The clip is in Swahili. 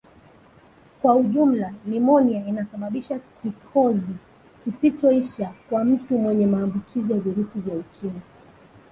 Kwa ujumla nimonia inasababisha kikozi kisichoisha kwa mtu mwenye maambukizi ya virusi vya Ukimwi